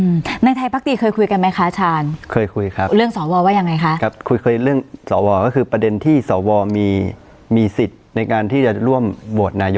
อืมในไทยปรักฏีเคยคุยกันมั้ยคะชาญ